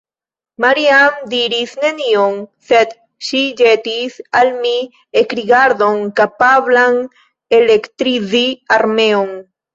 Maria-Ann diris nenion; sed ŝi ĵetis al mi ekrigardon, kapablan elektrizi armeon.